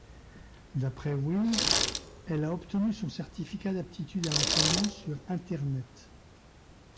D'après Will, elle a obtenu son certificat d'aptitude à l'enseignement sur Internet.